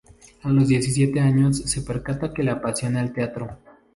A los diecisiete años se percata que le apasiona el teatro.